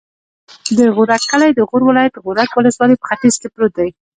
د غورک کلی د غور ولایت، غورک ولسوالي په ختیځ کې پروت دی.